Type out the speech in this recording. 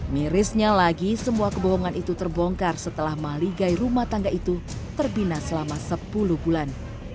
mirisnya lagi semua kebohongan itu terbongkar setelah maligai rumah tangga itu terbina selama sepuluh bulan